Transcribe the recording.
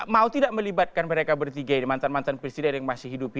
mau tidak melibatkan mereka bertiga ini mantan mantan presiden yang masih hidup